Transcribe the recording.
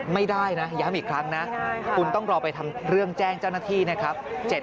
ไม่ได้นะย้ำอีกครั้งนะคุณต้องรอไปทำเรื่องแจ้งเจ้าหน้าที่นะครับ